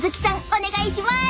お願いします！